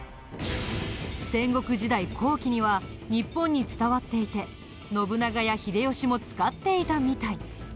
戦国時代後期には日本に伝わっていて信長や秀吉も使っていたみたい。